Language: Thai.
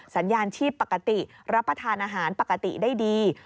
สัญญาณชีพปกติรับประทานอาหารปกติได้ดี